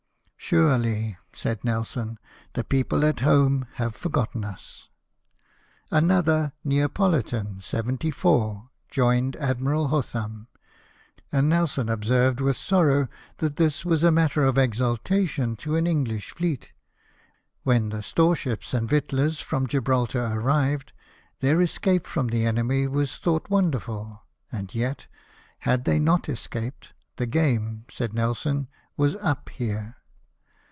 " Surely," said Nelson, "the people at home have forgotten us." Another Neapolitan 74 joined Admiral Hotham; and Nelson observed with sorrow that this was matter of exulta tion to an English fleet. When the store ships and victuallers from Gibraltar arrived, their escape from the enemy was thought wonderful ; and yet, had they not escaped, " the game," said Nelson, " was up here.